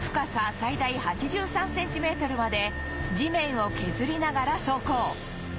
最大８３センチメートルまで地面を削りながら走行